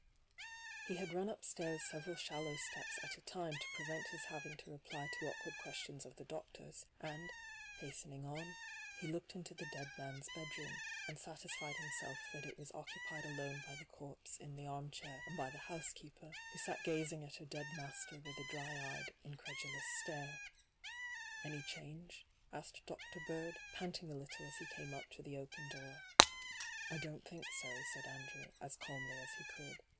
He had ran upstairs several shallow steps at a time to prevent hla having to reply to awkward questions of the doctor's, and, hastening on, he looked into the dead man's bedroom, and satisfied himself that it was occupied alone by the corpse in the armchair and by the housekeeper, who sat gazing at her dead master with a dry eyed, incredulous stare. ' Any change V asked Dr. Bird, panting a little as he came up to the open door. ' I don't think so,' said Andrew, as calmly as he could.